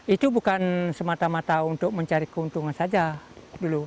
itu bukan semata mata untuk mencari keuntungan saja dulu